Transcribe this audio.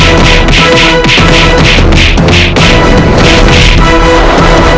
ampun kusti prabu siliwangi